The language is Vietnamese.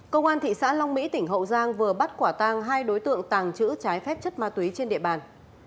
công an thị xã long mỹ tỉnh hậu giang vừa bắt quả tang hai đối tượng tàng trữ trái phép chất ma túy trên địa bàn